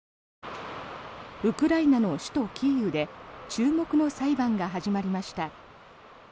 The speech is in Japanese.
ウクライナの首都キーウで注目の裁判が始まりました。